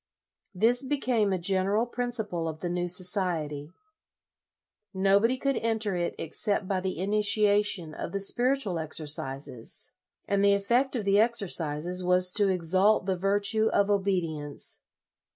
This became a general principle of the new society. Nobody could enter it ex cept by the initiation of the Spiritual Ex ercises, and the effect of the exercises was to exalt the virtue of obedience.